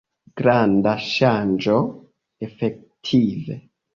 Granda ŝanĝo, efektive.